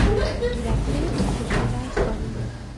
Il l’a fait pour que cela soit mignon.